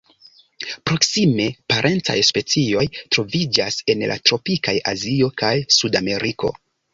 Proksime parencaj specioj troviĝas en la tropikaj Azio kaj Sudameriko.